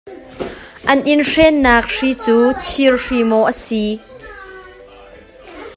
An in hren nak hri cu thir hri maw a si?